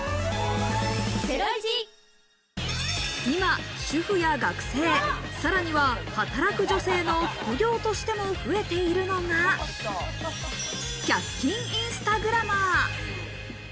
今、主婦や学生、さらには働く女性の副業としても増えているのが１００均インスタグラマー。